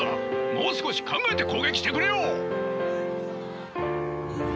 もう少し考えて攻撃してくれよ！